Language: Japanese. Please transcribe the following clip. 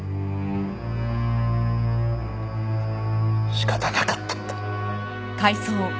仕方なかったんだ。